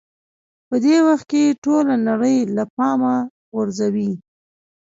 په دې وخت کې ټوله نړۍ له پامه غورځوئ.